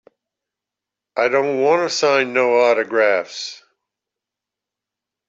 I don't wanta sign no autographs.